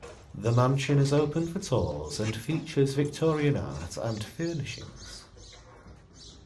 The mansion is open for tours and features Victorian art and furnishings.